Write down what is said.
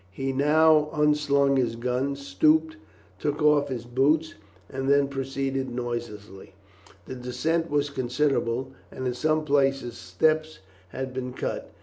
He now unslung his gun, stooped and took off his boots, and then proceeded noiselessly. The descent was considerable, and in some places steps had been cut.